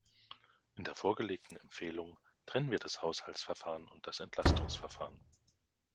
In der vorgelegten Empfehlung trennen wir das Haushaltsverfahren und das Entlastungsverfahren.